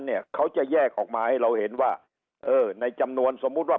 เนี่ยเขาจะแยกออกมาให้เราเห็นว่าเออในจำนวนสมมุติว่า